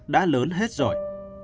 đã lớn hết rồi